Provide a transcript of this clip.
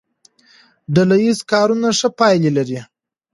ډله ییز کارونه ښه پایله لري.